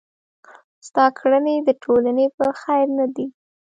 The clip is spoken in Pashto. ستا کړني د ټولني په خير نه دي.